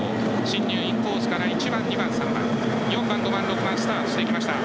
進入インコースから１番２番３番４番５番６番スタートしていきました。